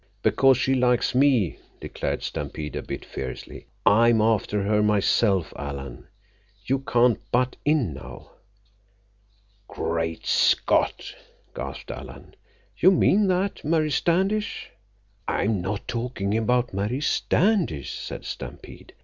"Because she likes me," declared Stampede a bit fiercely. "I'm after her myself, Alan. You can't butt in now." "Great Scott!" gasped Alan. "You mean that Mary Standish—" "I'm not talking about Mary Standish," said Stampede.